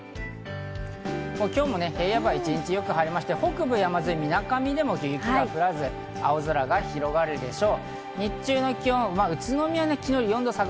今日も平野部は一日よく晴れまして、北部山沿い、水上でも雪は降らず、青空が広がるでしょう。